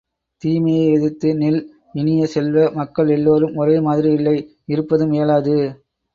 தீமையை எதிர்த்து நில் இனிய செல்வ, மக்கள் எல்லோரும் ஒரே மாதிரி இல்லை இருப்பதும் இயலாது.